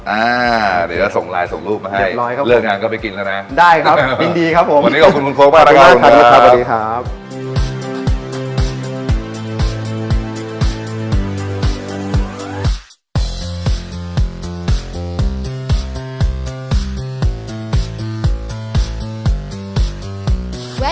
อ่าเดี๋ยวส่งไลน์ส่งรูปมาให้